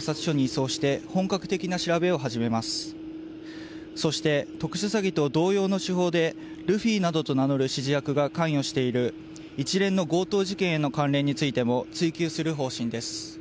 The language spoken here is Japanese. そして特殊詐欺と同様の手法で、ルフィなどと名乗る指示役が関与している一連の強盗事件への関連についても、追及する方針です。